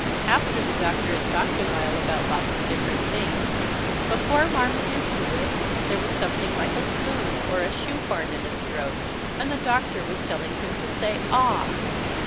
After the Doctor had talked a while about lots of different things, before Marmaduke knew it, there was something like a spoon or a shoe horn in his throat and the Doctor was telling him to say "Ah!"